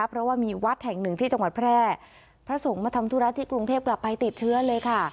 เพราะว่ามีวัดแห่งหนึ่งที่จังหวัดแพร่พระสงฆ์มาทำธุระที่กรุงเทพกลับไปติดเชื้อเลยค่ะ